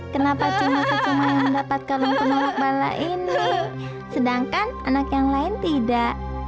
kenapa cuma kusuma yang mendapat kalung penolak bala ini sedangkan anak yang lain tidak